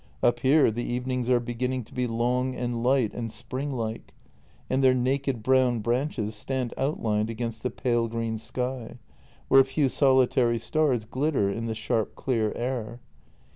Up here the evenings are be ginning to be long and light and spring like, and their naked brown branches stand outlined against the pale green sky, where a few solitary stars glitter in the sharp, clear air.